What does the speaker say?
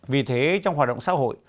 vì thế trong hoạt động xã hội